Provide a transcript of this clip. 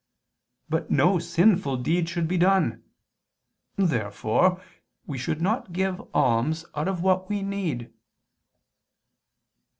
But no sinful deed should be done. Therefore we should not give alms out of what we need.